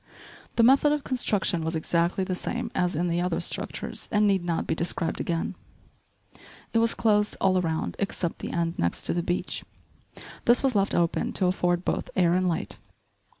The method of construction was exactly the same as in the other structures and need not be described again. It was closed all around except the end next to the beach. This was left open to afford both air and light.